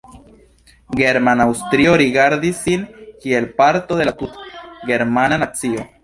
German-Aŭstrio rigardis sin kiel parto de la tutgermana nacio.